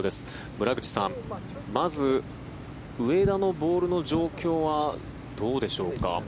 村口さん、まず上田のボールの状況はどうでしょうか。